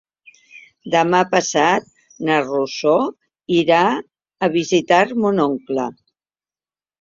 Demà passat na Rosó irà a visitar mon oncle.